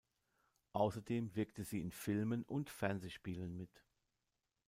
Außerdem wirkte sie in Filmen und Fernsehspielen mit.